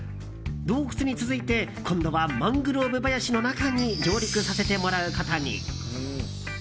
洞窟に続いて今度はマングローブ林の中に上陸させてもらうことに。